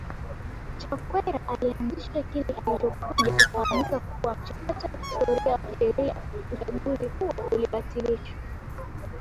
Chakwera alianzisha kile kilichokuja kufahamika kuwa mchakato wa kihistoria wa kisheriaUchaguzi huo ulibatilishwa